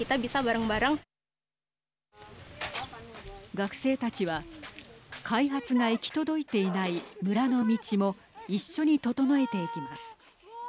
学生たちは開発が行き届いていない村の道も一緒に整えていきます。